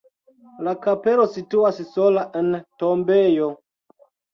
La kapelo situas sola en tombejo.